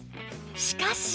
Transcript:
しかし